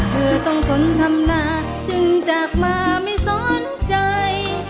เผื่อต้องสนทำหน้าจนจากมาไม่สนใจ